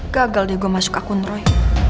gagal deh gue masuk akun roy